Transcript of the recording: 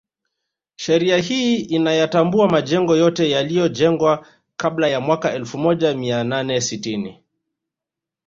Sheria hii inayatambua majengo yote yaliyojengwa kabla ya mwaka elfu moja Mia nane sitini